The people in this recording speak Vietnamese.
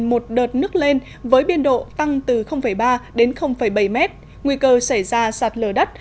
một đợt nước lên với biên độ tăng từ ba đến bảy mét nguy cơ xảy ra sạt lở đất